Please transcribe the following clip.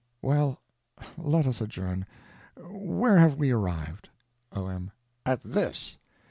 Well, let us adjourn. Where have we arrived? O.M. At this.